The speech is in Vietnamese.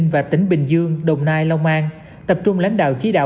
và tỉnh bình dương đồng nai long an tập trung lãnh đạo chỉ đạo